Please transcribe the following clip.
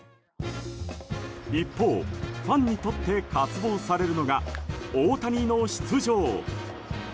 一方、ファンにとって渇望されるのが大谷の出場。